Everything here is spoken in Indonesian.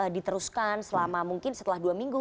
diteruskan selama mungkin setelah dua minggu